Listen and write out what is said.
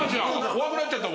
怖くなっちゃった